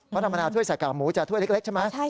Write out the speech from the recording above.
เพราะธรรมดาถ้วยใส่กากหมูจะถ้วยเล็กใช่ไหม